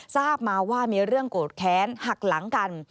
ทราบมาว่ามีเรื่องโกรธแค้นหักหลังกัน